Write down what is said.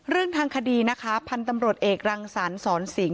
เรื่องทางคดีนะคะพันธุ์ตำรวจเอกรังสรรสอนสิง